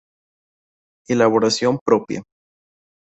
Elaboración propia